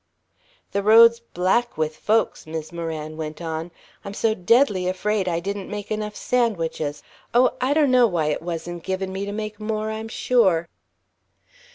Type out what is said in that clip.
"The road's black with folks," Mis' Moran went on. "I'm so deadly afraid I didn't make enough sandwiches. Oh, I donno why it wasn't given me to make more, I'm sure."